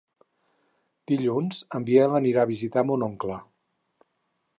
Dilluns en Biel anirà a visitar mon oncle.